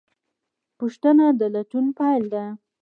پوښتنه د لټون پیل ده.